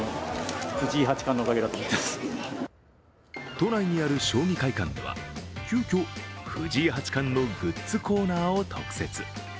都内にある将棋会館では急きょ、藤井八冠のグッズコーナーを特設。